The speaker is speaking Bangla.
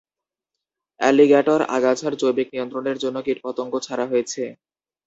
অ্যালিগ্যাটর আগাছার জৈবিক নিয়ন্ত্রণের জন্য কীটপতঙ্গ ছাড়া হয়েছে।